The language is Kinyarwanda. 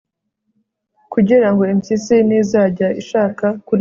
kugira ngo impyisi nizajya ishaka kuryaho